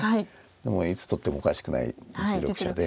でもいつ取ってもおかしくない実力者で。